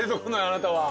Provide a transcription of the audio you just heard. あなたは。